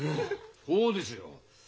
そうですよ。